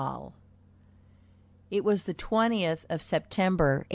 ] It was the twentieth of September, 1881.